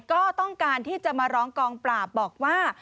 ก็ต้องการที่จะมาร้องกองปราบบอกว่า